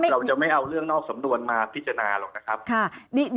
เราจะไม่เอาเรื่องนอกสำนวนมาพิจารณาหรอกนะครับ